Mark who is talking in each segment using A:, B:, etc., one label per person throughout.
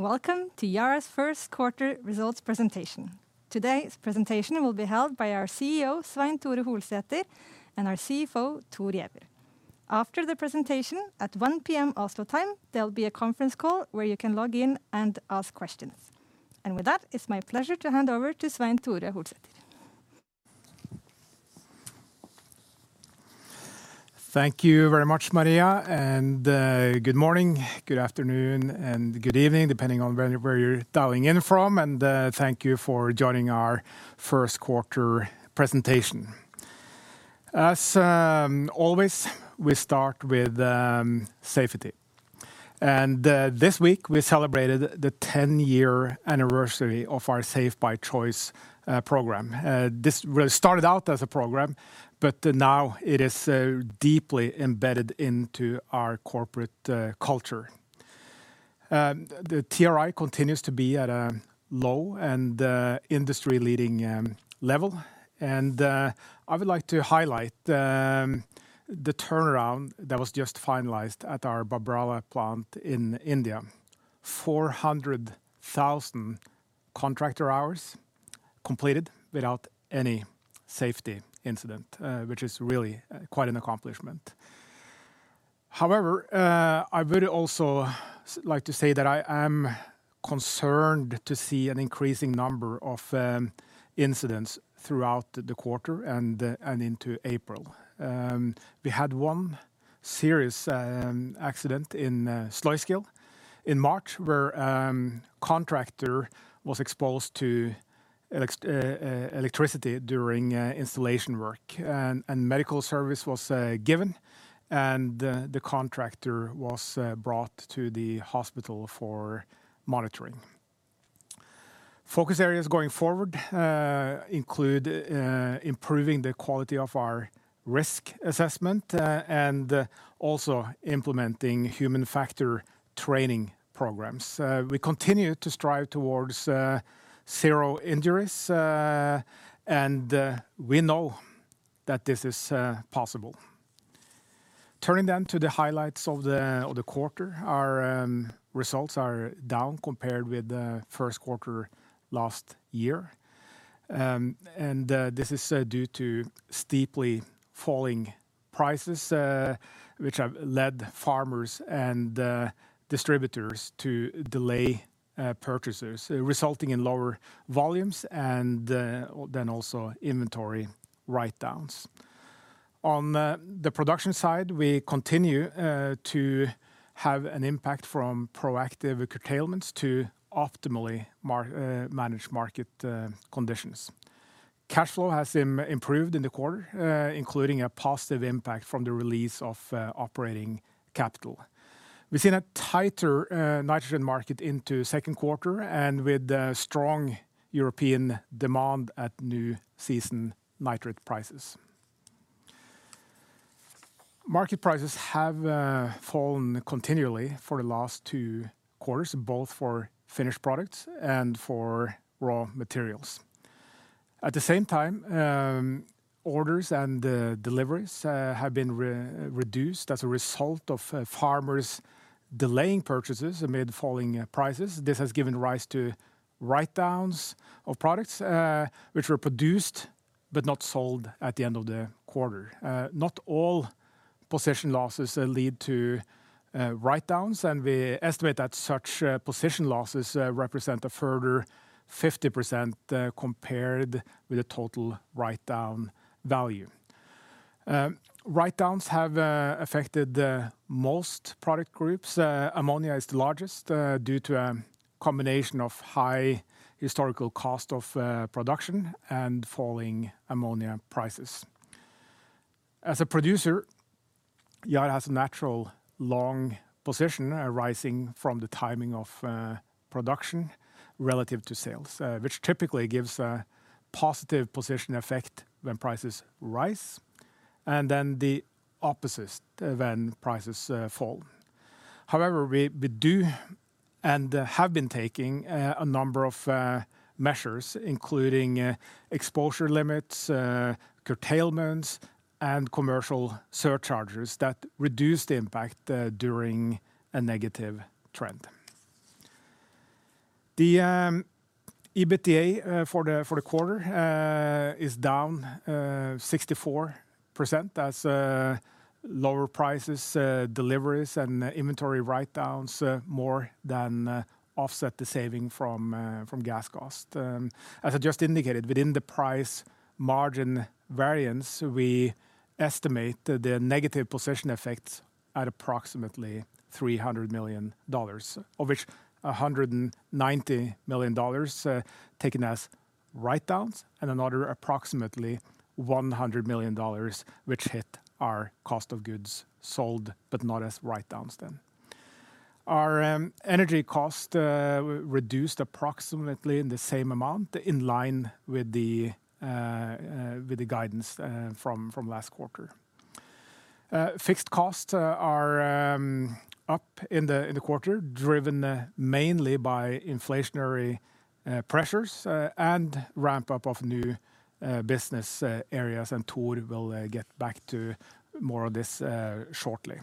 A: Welcome to Yara's first quarter results presentation. Today's presentation will be held by our CEO, Svein Tore Holsether, and our CFO, Thor Giæver. After the presentation, at 1:00 P.M. Oslo time, there'll be a conference call where you can log in and ask questions. With that, it's my pleasure to hand over to Svein Tore Holsether.
B: Thank you very much, Maria, good morning, good afternoon, and good evening, depending on where you're dialing in from. Thank you for joining our first quarter presentation. As always, we start with safety. This week we celebrated the 10-year anniversary of our Safe by Choice program. This really started out as a program, but now it is deeply embedded into our corporate culture. The TRI continues to be at a low and industry-leading level. I would like to highlight the turnaround that was just finalized at our Babrala plant in India. 400,000 contractor hours completed without any safety incident, which is really quite an accomplishment. I would also like to say that I am concerned to see an increasing number of incidents throughout the quarter and into April. We had one serious accident in Sluiskil in March, where a contractor was exposed to electricity during installation work. Medical service was given, and the contractor was brought to the hospital for monitoring. Focus areas going forward include improving the quality of our risk assessment and also implementing human factor training programs. We continue to strive towards zero injuries, and we know that this is possible. To the highlights of the quarter, our results are down compared with the first quarter last year. This is due to steeply falling prices, which have led farmers and distributors to delay purchases, resulting in lower volumes and then also inventory write-downs. On the production side, we continue to have an impact from proactive curtailments to optimally manage market conditions. Cash flow has improved in the quarter, including a positive impact from the release of operating capital. We've seen a tighter nitrogen market into second quarter and with a strong European demand at new season nitrate prices. Market prices have fallen continually for the last two quarters, both for finished products and for raw materials. At the same time, orders and deliveries have been reduced as a result of farmers delaying purchases amid falling prices. This has given rise to write-downs of products, which were produced but not sold at the end of the quarter. Not all position losses lead to write-downs, and we estimate that such position losses represent a further 50% compared with the total write-down value. Write-downs have affected most product groups. Ammonia is the largest due to a combination of high historical cost of production and falling ammonia prices. As a producer, Yara has a natural long position arising from the timing of production relative to sales, which typically gives a positive position effect when prices rise, and then the opposite when prices fall. However, we do and have been taking a number of measures, including exposure limits, curtailments, and commercial surcharges that reduce the impact during a negative trend. The EBITDA for the quarter is down 64% as lower prices, deliveries, and inventory write-downs more than offset the saving from gas cost. As I just indicated, within the price margin variance, we estimate the negative position effects at approximately $300 million, of which $190 million taken as write-downs and another approximately $100 million which hit our cost of goods sold, but not as write-downs then. Our energy cost reduced approximately in the same amount, in line with the guidance from last quarter. In the quarter, driven mainly by inflationary pressures and ramp-up of new business areas, and Thor will get back to more of this shortly.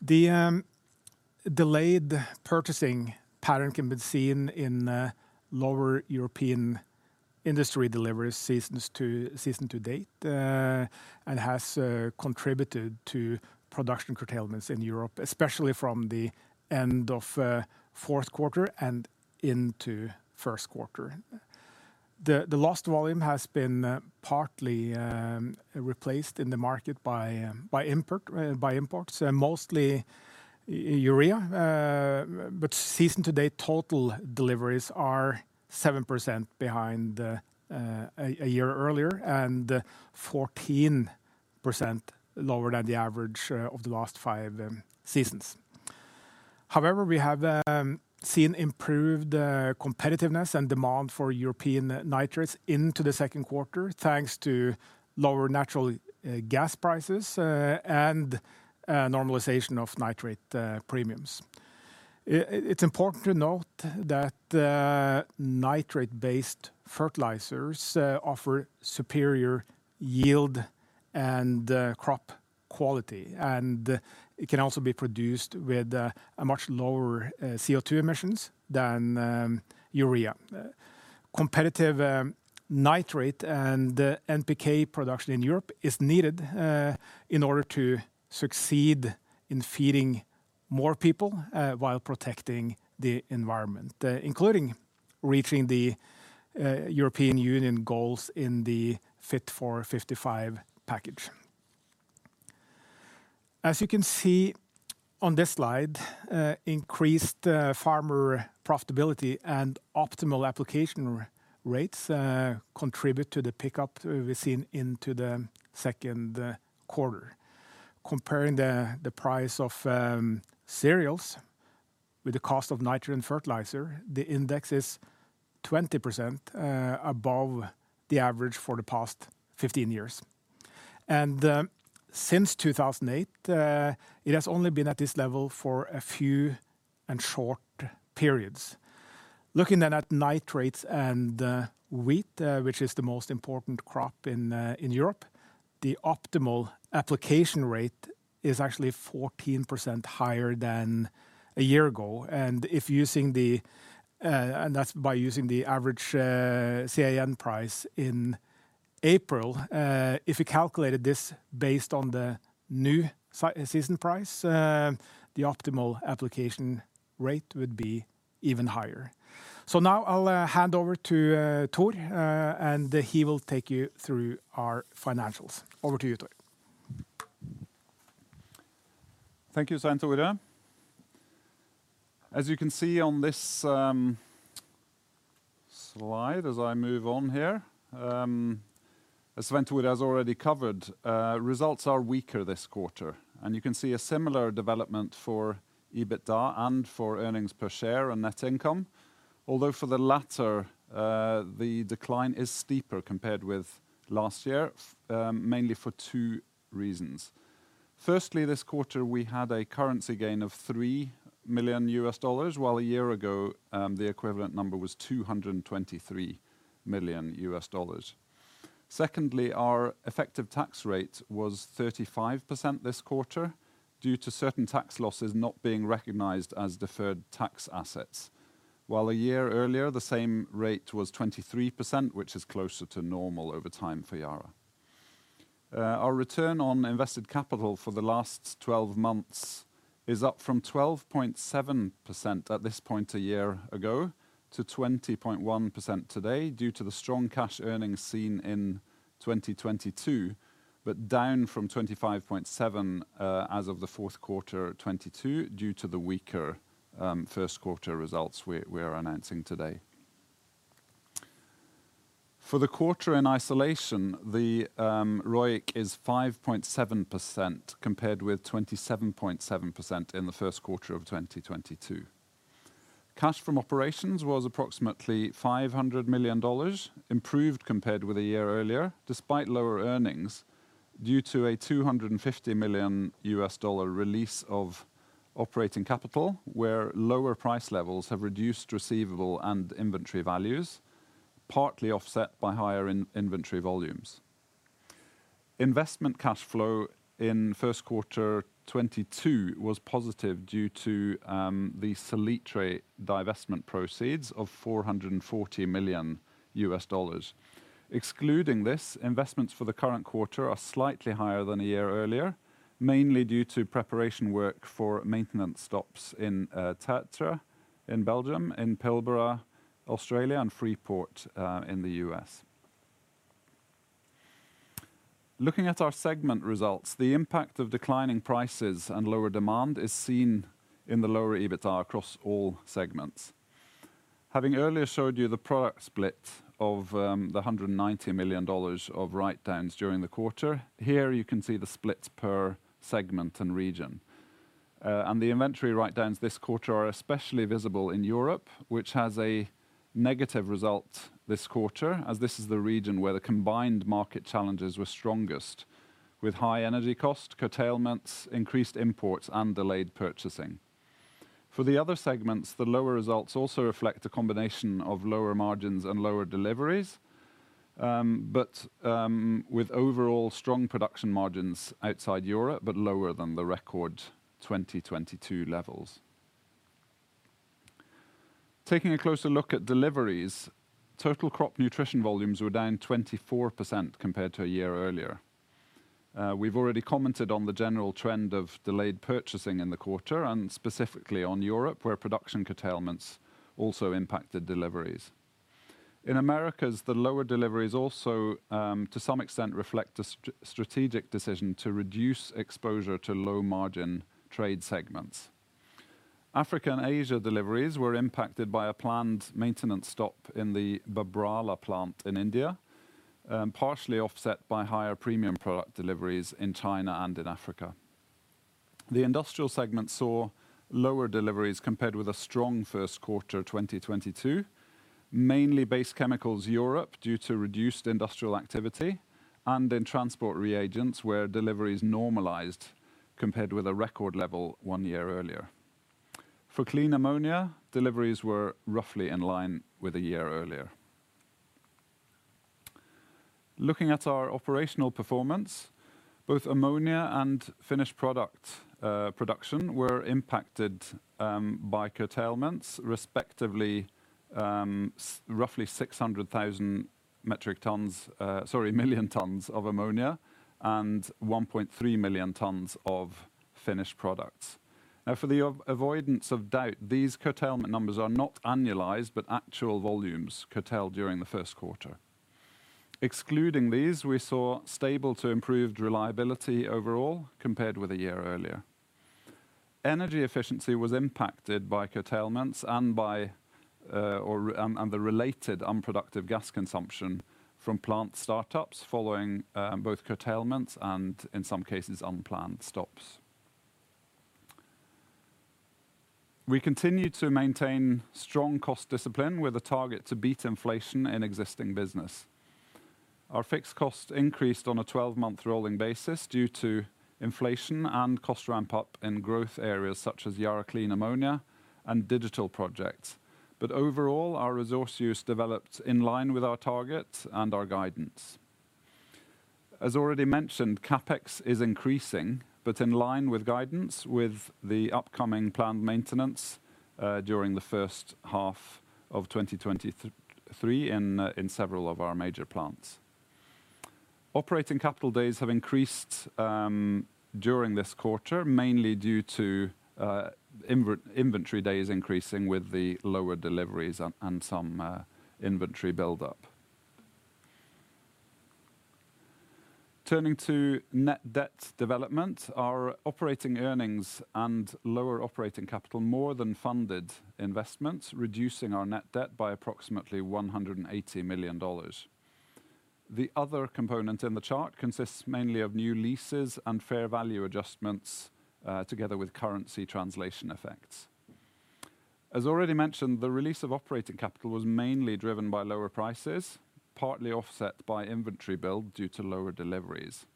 B: The delayed purchasing pattern can be seen in lower European industry deliveries season to date and has contributed to production curtailments in Europe, especially from the end of fourth quarter and into first quarter. The lost volume has been partly replaced in the market by imports and mostly urea. Season to date, total deliveries are 7% behind a year earlier and 14% lower than the average of the last five seasons However, we have seen improved competitiveness and demand for European nitrates into the second quarter, thanks to lower natural gas prices and normalization of nitrate premiums. It's important to note that nitrate-based fertilizers offer superior yield and crop quality, and it can also be produced with a much lower CO2 emissions than urea. Competitive nitrate and NPK production in Europe is needed in order to succeed in feeding more people while protecting the environment, including reaching the European Union goals in the Fit for 55 package. As you can see on this slide, increased farmer profitability and optimal application rates contribute to the pickup we've seen into the second quarter. Comparing the price of cereals with the cost of nitrogen fertilizer, the index is 20% above the average for the past 15 years. Since 2008, it has only been at this level for a few and short periods. Looking at nitrates and wheat, which is the most important crop in Europe, the optimal application rate is actually 14% higher than a year ago. That's by using the average CAN price in April. If you calculated this based on the new season price, the optimal application rate would be even higher. Now I'll hand over to Thor, and he will take you through our financials. Over to you, Thor.
C: Thank you, Svein Tore. As you can see on this slide as I move on here, as Svein Tore has already covered, results are weaker this quarter, and you can see a similar development for EBITDA and for earnings per share and net income. Although for the latter, the decline is steeper compared with last year, mainly for two reasons. Firstly, this quarter, we had a currency gain of $3 million, while a year ago, the equivalent number was $223 million. Secondly, our effective tax rate was 35% this quarter due to certain tax losses not being recognized as deferred tax assets, while a year earlier, the same rate was 23%, which is closer to normal over time for Yara. Our return on invested capital for the last 12 months is up from 12.7% at this point a year ago to 20.1% today, due to the strong cash earnings seen in 2022, down from 25.7% as of the fourth quarter of 2022 due to the weaker first quarter results we're announcing today. For the quarter in isolation, the ROIC is 5.7% compared with 27.7% in the first quarter of 2022. Cash from operations was approximately $500 million, improved compared with a year earlier, despite lower earnings due to a $250 million U.S. dollar release of operating capital, where lower price levels have reduced receivable and inventory values, partly offset by higher in-inventory volumes. Investment cash flow in first quarter 2022 was positive due to the Salitre divestment proceeds of $440 million. Excluding this, investments for the current quarter are slightly higher than a year earlier, mainly due to preparation work for maintenance stops in Tertre in Belgium, in Pilbara, Australia, and Freeport in the U.S. Looking at our segment results, the impact of declining prices and lower demand is seen in the lower EBITDA across all segments. Having earlier showed you the product split of the $190 million of write-downs during the quarter, here you can see the splits per segment and region. The inventory write-downs this quarter are especially visible in Europe, which has a negative result this quarter, as this is the region where the combined market challenges were strongest with high energy cost curtailments, increased imports, and delayed purchasing. For the other segments, the lower results also reflect a combination of lower margins and lower deliveries, with overall strong production margins outside Europe, but lower than the record 2022 levels. Taking a closer look at deliveries, total crop nutrition volumes were down 24% compared to a year earlier. We've already commented on the general trend of delayed purchasing in the quarter and specifically on Europe, where production curtailments also impacted deliveries. In Americas, the lower deliveries also to some extent reflect a strategic decision to reduce exposure to low margin trade segments. Africa and Asia deliveries were impacted by a planned maintenance stop in the Babrala plant in India, partially offset by higher premium product deliveries in China and in Africa. The industrial segment saw lower deliveries compared with a strong first quarter 2022, mainly based chemicals Europe due to reduced industrial activity and in transport reagents where deliveries normalized compared with a record level one year earlier. For clean ammonia, deliveries were roughly in line with a year earlier. Looking at our operational performance, both ammonia and finished product production were impacted by curtailments, respectively, roughly 600 million tons of ammonia and 1.3 million tons of finished products. For the avoidance of doubt, these curtailment numbers are not annualized, but actual volumes curtailed during the first quarter. Excluding these, we saw stable to improved reliability overall compared with a year earlier. Energy efficiency was impacted by curtailments and the related unproductive gas consumption from plant startups following both curtailments and in some cases unplanned stops. We continue to maintain strong cost discipline with a target to beat inflation in existing business. Our fixed cost increased on a 12-month rolling basis due to inflation and cost ramp up in growth areas such as Yara Clean Ammonia and digital projects. Overall, our resource use developed in line with our targets and our guidance. As already mentioned, CapEx is increasing, but in line with guidance with the upcoming planned maintenance during the first half of 2023 in several of our major plants. Operating capital days have increased during this quarter, mainly due to inventory days increasing with the lower deliveries and some inventory buildup. Turning to net debt development, our operating earnings and lower operating capital more than funded investments, reducing our net debt by approximately $180 million. The other component in the chart consists mainly of new leases and fair value adjustments, together with currency translation effects. As already mentioned, the release of operating capital was mainly driven by lower prices, partly offset by inventory build due to lower deliveries.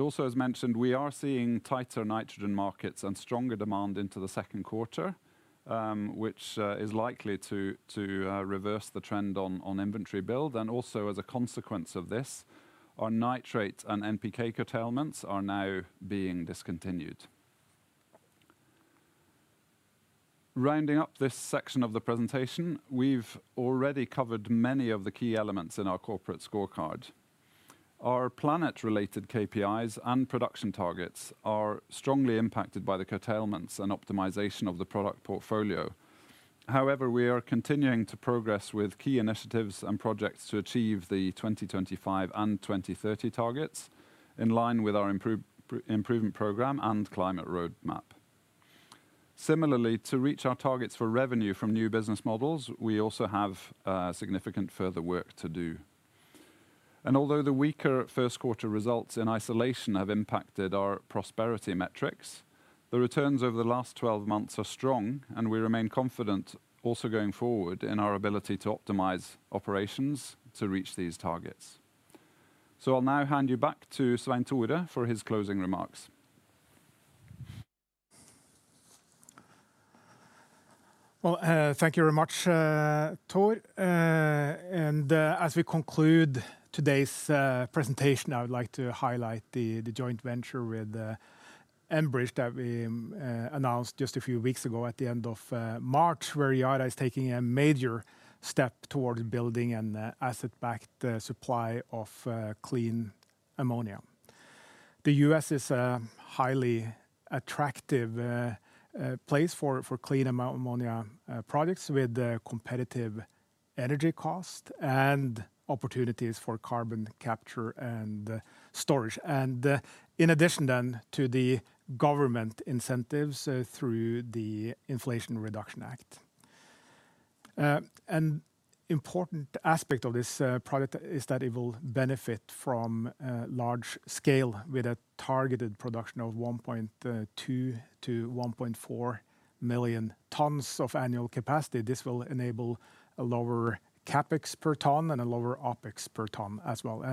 C: Also as mentioned, we are seeing tighter nitrogen markets and stronger demand into the second quarter, which is likely to reverse the trend on inventory build. Also as a consequence of this, our nitrate and NPK curtailments are now being discontinued. Rounding up this section of the presentation, we've already covered many of the key elements in our corporate scorecard. Our planet related KPIs and production targets are strongly impacted by the curtailments and optimization of the product portfolio. However, we are continuing to progress with key initiatives and projects to achieve the 2025 and 2030 targets in line with our improvement program and climate roadmap. Similarly, to reach our targets for revenue from new business models, we also have significant further work to do. Although the weaker first quarter results in isolation have impacted our prosperity metrics, the returns over the last 12 months are strong, and we remain confident also going forward in our ability to optimize operations to reach these targets. I'll now hand you back to Svein Tore for his closing remarks.
B: Well, thank you very much, Thor. As we conclude today's presentation, I would like to highlight the joint venture with Enbridge that we announced just a few weeks ago at the end of March, where Yara is taking a major step towards building an asset backed supply of clean ammonia. The U.S. is a highly attractive place for clean ammonia products with competitive energy cost and opportunities for carbon capture and storage. In addition then to the government incentives through the Inflation Reduction Act. An important aspect of this product is that it will benefit from large scale with a targeted production of 1.2 million-1.4 million tons of annual capacity. This will enable a lower CapEx per ton and a lower OpEx per ton as well.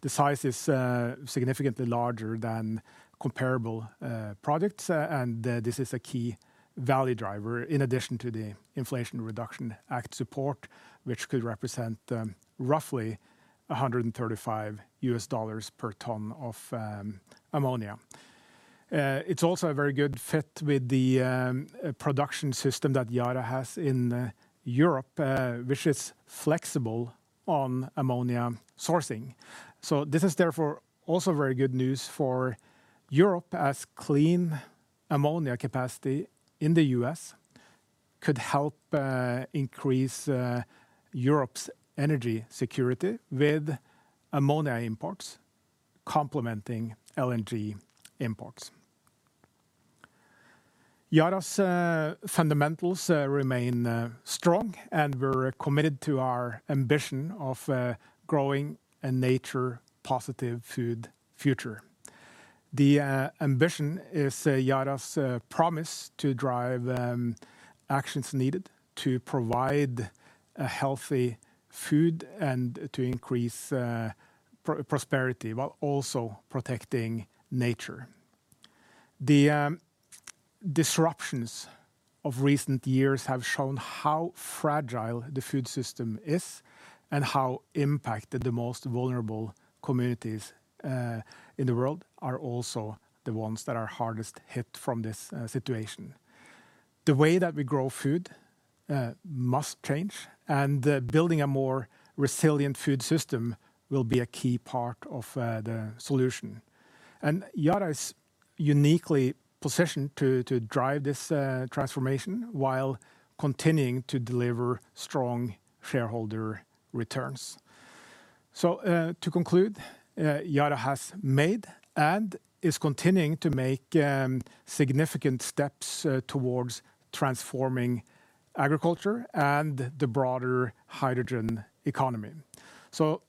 B: The size is significantly larger than comparable products. This is a key value driver in addition to the Inflation Reduction Act support, which could represent roughly $135 per ton of ammonia. It's also a very good fit with the production system that Yara has in Europe, which is flexible on ammonia sourcing. This is therefore also very good news for Europe as clean ammonia capacity in the U.S. could help increase Europe's energy security with ammonia imports complementing LNG imports. Yara's fundamentals remain strong, and we're committed to our ambition of growing a nature positive food future. The ambition is Yara's promise to drive actions needed to provide a healthy food and to increase prosperity while also protecting nature. The disruptions of recent years have shown how fragile the food system is and how impacted the most vulnerable communities in the world are also the ones that are hardest hit from this situation. The way that we grow food must change, building a more resilient food system will be a key part of the solution. Yara is uniquely positioned to drive this transformation while continuing to deliver strong shareholder returns. To conclude, Yara has made and is continuing to make significant steps towards transforming agriculture and the broader hydrogen economy.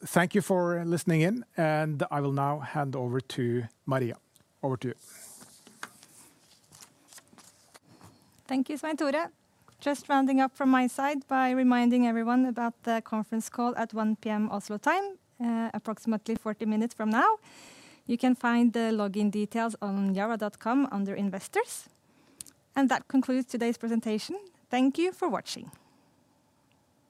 B: Thank you for listening in, and I will now hand over to Maria. Over to you.
A: Thank you, Svein Tore. Just rounding up from my side by reminding everyone about the conference call at 1:00 P.M. Oslo time, approximately 40 minutes from now. You can find the login details on yara.com under Investors. That concludes today's presentation. Thank you for watching.